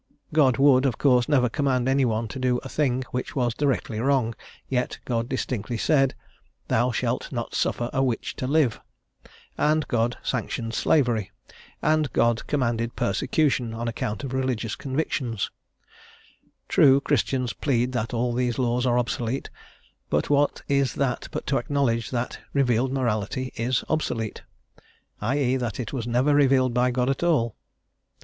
God would, of course, never command any one to do a thing which was directly wrong, yet God distinctly said: "Thou shalt not suffer a Witch to live;" and God sanctioned Slavery, and God commanded Persecution on account of religious convictions: true, Christians plead that all these laws are obsolete, but what is that but to acknowledge that revealed morality is obsolete, i.e., that it was never revealed by God at all.